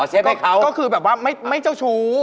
อ่าช่วยให้เขาก็คือแบบว่าไม่เจ้าชู้